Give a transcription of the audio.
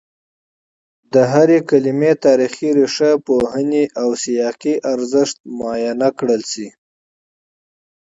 د هرې کلمې تاریخي، ریښه پوهني او سیاقي ارزښت معاینه کړل شي